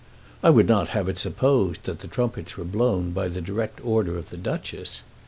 I would not have it supposed that the trumpets were blown by the direct order of the Duchess.